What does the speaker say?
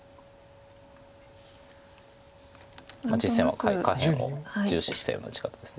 実戦は下辺を重視したような打ち方です。